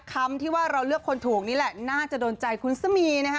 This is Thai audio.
คำที่ว่าเราเลือกคนถูกนี่แหละน่าจะโดนใจคุณซะมีนะฮะ